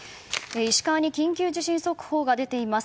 石川に緊急地震速報が出ています。